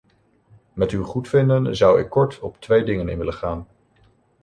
Met uw goedvinden zou ik kort op twee dingen in willen gaan.